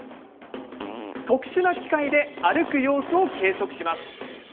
特殊な機械で歩く様子を計測します。